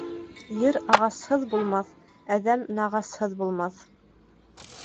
Ер ағасһыҙ булмаҫ, әҙәм нағасһыҙ булмаҫ.